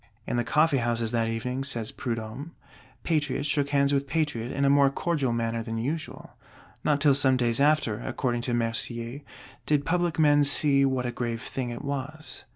In the coffee houses that evening, says Prudhomme, Patriot shook hands with Patriot in a more cordial manner than usual. Not till some days after, according to Mercier, did public men see what a grave thing it was.